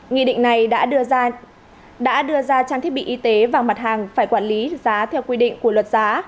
nghị định này đã đưa ra trang thiết bị y tế và mặt hàng phải quản lý giá theo quy định của luật giá